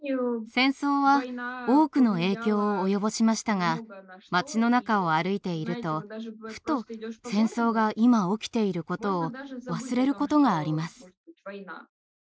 戦争は多くの影響を及ぼしましたが町の中を歩いているとふと戦争が今起きていることを忘れることがあります。